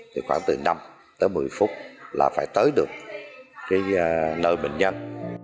thì khoảng từ năm tới một mươi phút là phải tới được cái nơi bệnh nhân